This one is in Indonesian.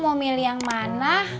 mau milih yang mana